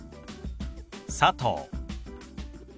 「佐藤」。